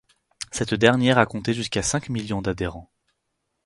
Cette dernière a compté jusqu'à cinq millions d'adhérents.